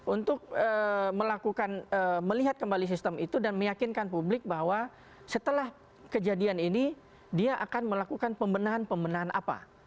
untuk melakukan melihat kembali sistem itu dan meyakinkan publik bahwa setelah kejadian ini dia akan melakukan pembenahan pembenahan apa